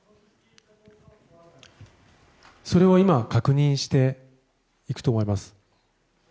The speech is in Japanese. それは今、確認していくと思います。